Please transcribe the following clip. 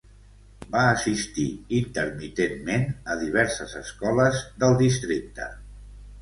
Va assistir intermitentment a diverses escoles del districte.